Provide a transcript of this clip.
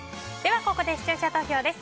ここで視聴者投票です。